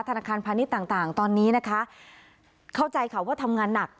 ธนาคารพาณิชย์ต่างต่างตอนนี้นะคะเข้าใจค่ะว่าทำงานหนัก